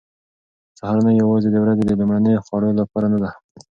سهارنۍ یوازې د ورځې د لومړنیو خوړو لپاره نه ده.